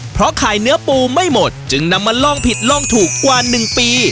เพราะขายเนื้อปูไม่หมดจึงนำมาลองผิดลองถูกกว่า๑ปี